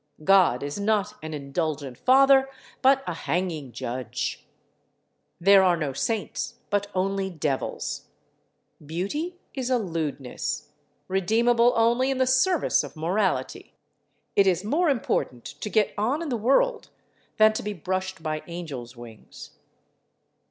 God is not an indulgent father, but a hanging judge. There are no saints, but only devils. Beauty is a lewdness, redeemable only in the service of morality. It is more important to get on in the world than to be brushed by angels' wings.